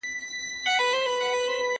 زه به اوږده موده کتابتون ته تللي وم!!